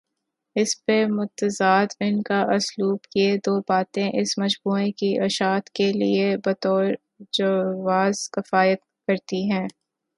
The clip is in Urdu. اس پہ مستزاد ان کا اسلوب یہ دوباتیں اس مجموعے کی اشاعت کے لیے بطورجواز کفایت کرتی ہیں۔